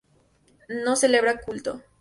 No celebra culto.